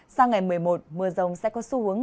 sang ngày một mươi một mưa rông sẽ có xu hướng